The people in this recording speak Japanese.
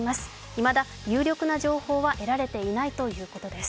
いまだ有力な情報は得られていないということです。